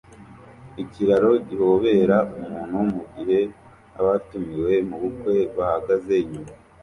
Ikiraro gihobera umuntu mugihe abatumiwe mubukwe bahagaze inyuma